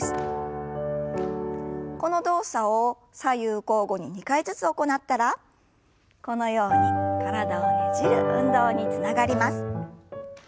この動作を左右交互に２回ずつ行ったらこのように体をねじる運動につながります。